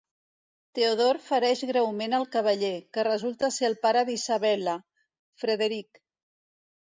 Theodore fereix greument el cavaller, que resulta ser el pare d'Isabella, Frederic.